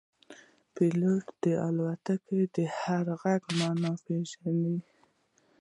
پیلوټ د الوتکې د هر غږ معنا پېژني.